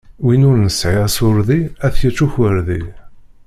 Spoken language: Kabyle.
Win ur nesɛi asuṛdi, ad tyečč ukwerdi.